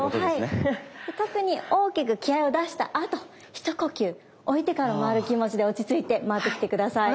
特に大きく気合いを出したあとひと呼吸おいてから回る気持ちで落ち着いて回ってきて下さい。